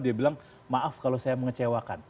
dia bilang maaf kalau saya mengecewakan